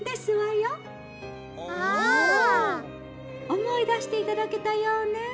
「おもいだしていただけたようね。